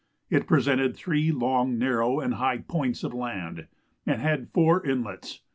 It presented three long, narrow, and high points of land, and had four inlets.